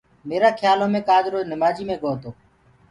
ميرآ کيآلو مي ڪآجرو نمآجيٚ مي گوو تو